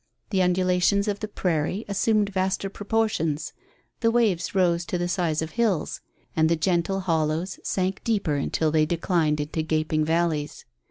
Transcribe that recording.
The undulations of the prairie assumed vaster proportions. The waves rose to the size of hills, and the gentle hollows sank deeper until they declined into gaping valleys.